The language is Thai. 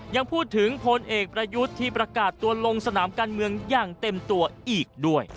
ยังพูดถึงพลเอกประยุทธ์ที่ประกาศตัวลงสนามการเมืองอย่างเต็มตัวอีกด้วย